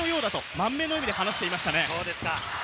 満面の笑みで話していました。